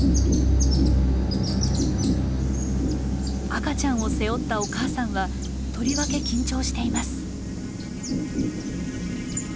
赤ちゃんを背負ったお母さんはとりわけ緊張しています。